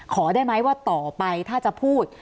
ขอได้ไหมว่าต่อไปถ้าจะพูด